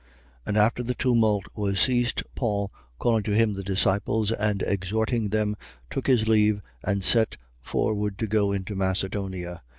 20:1. And after the tumult was ceased, Paul calling to him the disciples and exhorting them, took his leave and set forward to go into Macedonia.